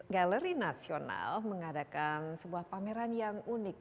galeri nasional mengadakan sebuah pameran yang unik